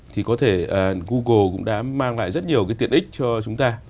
thì có thể google cũng đã mang lại rất nhiều cái tiện ích cho chúng ta